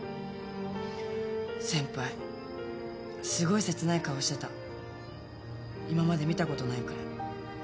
先輩すごい切ない顔してた今まで見たことないくらい。